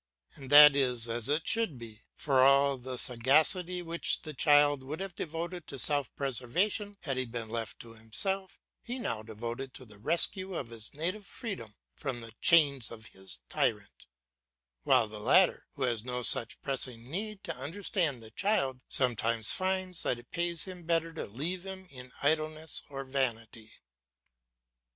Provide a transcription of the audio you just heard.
And that is as it should be, for all the sagacity which the child would have devoted to self preservation, had he been left to himself, is now devoted to the rescue of his native freedom from the chains of his tyrant; while the latter, who has no such pressing need to understand the child, sometimes finds that it pays him better to leave him in idleness or vanity.